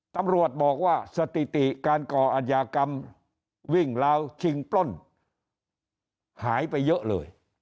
ตำรวจบอกว่าสถิติการก่ออัธยากรรมวิ่งราวชิงปล้นหายไปเยอะเลย